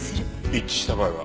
一致した場合は？